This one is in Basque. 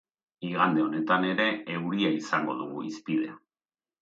Igande honetan ere euria izango dugu hizpide.